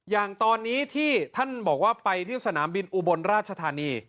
อย่างตอนนี้ที่ท่านบอกว่าไปที่สนามบินอุบลราชธานี